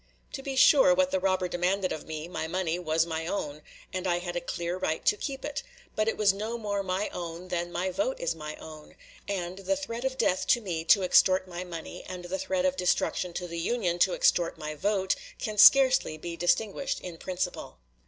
To be sure what the robber demanded of me my money was my own; and I had a clear right to keep it; but it was no more my own than my vote is my own; and the threat of death to me to extort my money, and the threat of destruction to the Union to extort my vote, can scarcely be distinguished in principle.